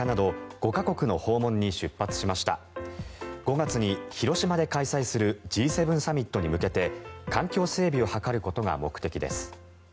５月に広島で開催するＧ７サミットに向けて環境整備を図ることが目的です。